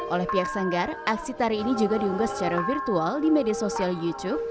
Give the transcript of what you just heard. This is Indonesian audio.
oleh pihak sanggar aksi tari ini juga diunggah secara virtual di media sosial youtube